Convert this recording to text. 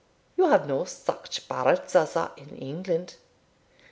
You have no such birds as that in England.